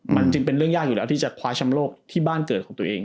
มันจึงเป็นเรื่องยากอยู่แล้วที่จะคว้าชำโลกที่บ้านเกิดของตัวเอง